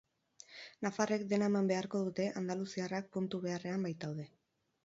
Nafarrek dena eman beharko dute andaluziarrak puntu beharrean baitaude.